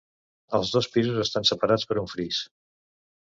Els dos pisos estan separats per un fris.